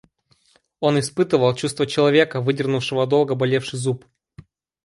Он испытывал чувство человека, выдернувшего долго болевший зуб.